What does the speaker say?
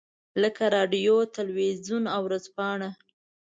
لکه رادیو، تلویزیون او ورځپاڼه.